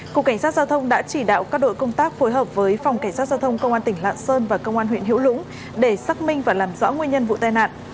cục cảnh sát giao thông đã chỉ đạo các đội công tác phối hợp với phòng cảnh sát giao thông công an tỉnh lạng sơn và công an huyện hiểu lũng để xác minh và làm rõ nguyên nhân vụ tai nạn